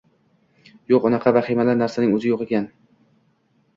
Yoʻq, unaqa vahimali narsaning oʻzi yoʻq ekan